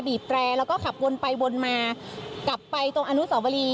แตรแล้วก็ขับวนไปวนมากลับไปตรงอนุสวรี